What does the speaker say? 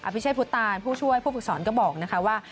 พิเชษพุทธตานผู้ช่วยผู้ฝึกสอนก็บอกนะคะว่า